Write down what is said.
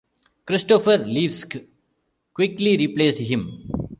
Christopher Levesque quickly replaced him.